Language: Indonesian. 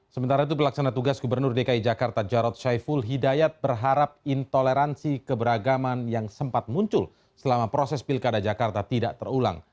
sementara itu pelaksana tugas gubernur dki jakarta jarod saiful hidayat berharap intoleransi keberagaman yang sempat muncul selama proses pilkada jakarta tidak terulang